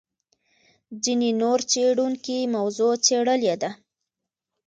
ځینې نور څېړونکي موضوع څېړلې ده.